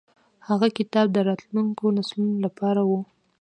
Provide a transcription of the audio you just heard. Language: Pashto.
هغه کتاب د راتلونکو نسلونو لپاره و.